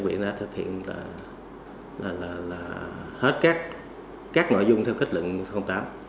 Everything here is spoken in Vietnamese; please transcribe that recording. cơ bản là ubnd đã thực hiện hết các nội dung theo kết luận tám